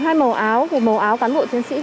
hai màu áo một màu áo cán bộ chiến sĩ